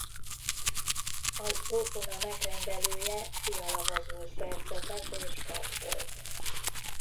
Az orgona megrendelője Fiala Vazul szerzetes és pap volt.